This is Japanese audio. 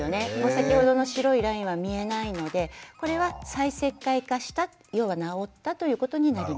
先ほどの白いラインは見えないのでこれは再石灰化した要は治ったということになります。